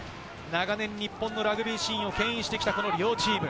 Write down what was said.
長年日本のラグビーシーンをけん引してきた両チーム。